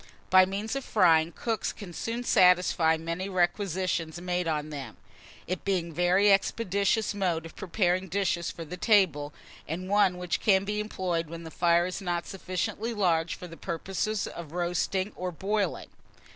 By means of frying, cooks can soon satisfy many requisitions made on them, it being a very expeditious mode of preparing dishes for the table, and one which can be employed when the fire is not sufficiently large for the purposes of roasting and boiling.